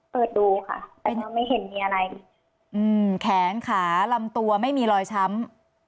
เปิดดูค่ะไม่เห็นมีอะไรอืมแขนขาลำตัวไม่มีรอยช้ำ